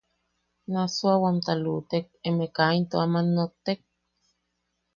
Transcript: ¿Nassuawamta luʼutek emeʼe kaa into aman nottek?